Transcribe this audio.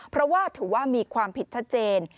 เพราะว่าถือว่ามีความผิดชัดเจน